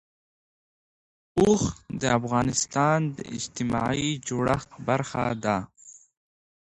اوښ د افغانستان د اجتماعي جوړښت برخه ده.